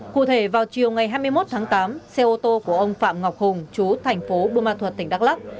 cụ thể vào chiều ngày hai mươi một tháng tám xe ô tô của ông phạm ngọc hùng chú thành phố bumathuat tỉnh đắk lắk